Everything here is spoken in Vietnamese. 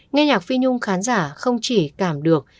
nghe nhạc phi nhung khán giả không chỉ cảm được